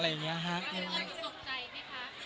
หรือยังสงใจนะคะ